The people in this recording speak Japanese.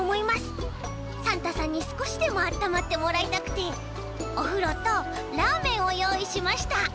サンタさんにすこしでもあったまってもらいたくておふろとラーメンをよういしました。